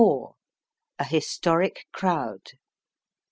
A HISTORIC CROWD.